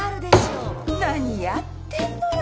何やってんのよ。